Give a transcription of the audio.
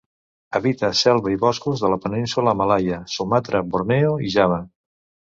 Habita selva i boscos de la Península Malaia, Sumatra, Borneo i Java.